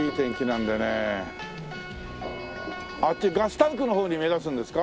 あっちガスタンクの方に目指すんですか？